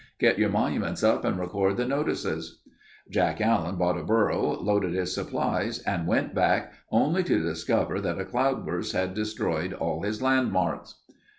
Get your monuments up and record the notices." Jack Allen bought a burro, loaded his supplies and went back only to discover that a cloudburst had destroyed all his landmarks.